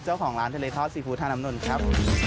เจ้าของร้านทะเลข้อซีฟู้ดธานามนุ่นครับ